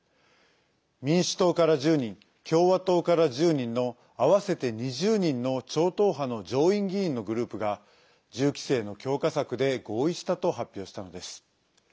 民主党から１０人共和党から１０人の合わせて２０人の超党派の上院議員のグループが銃規制の強化策で合意したと発表したのです。